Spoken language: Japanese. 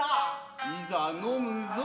いざ呑むぞ。